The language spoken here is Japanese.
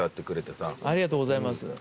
ありがとうございます。